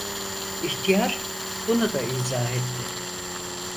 İhtiyar, bunu da izah etti: